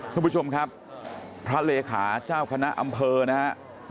ทุกผู้ชมครับพระเลขาเจ้าคณะอำเภอนะฮะ